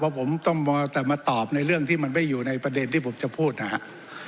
ผมต้องมัวแต่มาตอบในเรื่องที่มันไม่อยู่ในประเด็นที่ผมจะพูดนะครับ